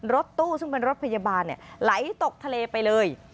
รถตู้ซึ่งเป็นรถพยาบาลไหลตกทะเลไปเลย